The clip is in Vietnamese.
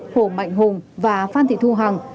hồ mạnh hùng và phan thị thu hằng